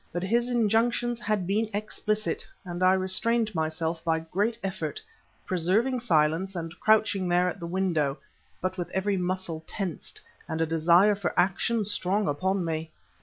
But his injunctions had been explicit, and I restrained myself by a great effort, preserving silence and crouching there at the window, but with every muscle tensed and a desire for action strong upon me.